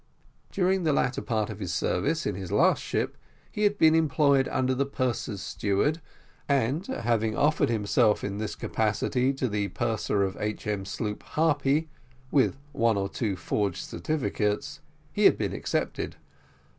During the latter part of his service, in his last ship, he had been employed under the purser's steward, and having offered himself in this capacity to the purser of H.M. sloop Harpy, with one or two forged certificates, he had been accepted.